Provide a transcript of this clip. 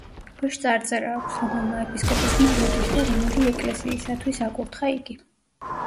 ქვეშ წარწერა აქვს, რომელმა ეპისკოპოსმა როდის და რომელი ეკლესიისათვის აკურთხა იგი.